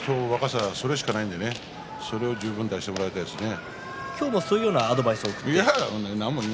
あとは馬力と若さそれしかないのでそれは十分出してもらいたいですね。